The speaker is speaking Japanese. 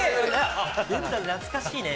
懐かしいね。